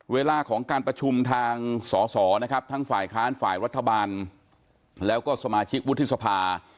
เวลาของการประชุมทางสอสอนะครับทั้งฝ่ายค้านฝ่ายรัฐบาลแล้วก็สมาชิกวุฒิสภา